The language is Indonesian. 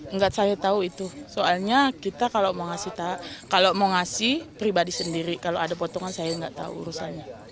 enggak saya tahu itu soalnya kita kalau mau ngasih pribadi sendiri kalau ada potongan saya nggak tahu urusannya